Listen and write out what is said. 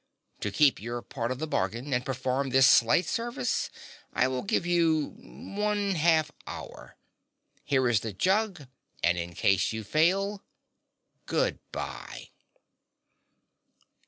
To keep your part of the bargain and perform this slight service I will give you one half hour. Here is the jug, and in case you fail, GOOD BYE!"